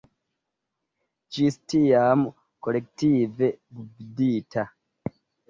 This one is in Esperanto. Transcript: Ĝis tiam kolektive gvidita.